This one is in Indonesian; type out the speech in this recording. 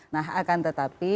nah akan tetapi